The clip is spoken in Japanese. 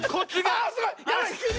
あすごい！